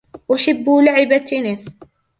أحب لعب التنس.